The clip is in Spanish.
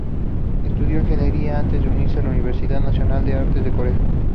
Estudió ingeniería antes de unirse a la Universidad Nacional de Artes de Corea.